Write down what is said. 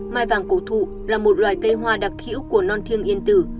mai vàng cổ thụ là một loài cây hoa đặc hữu của non thiêng yên tử